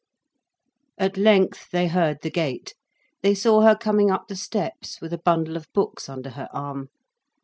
At length they heard the gate. They saw her coming up the steps with a bundle of books under her arm.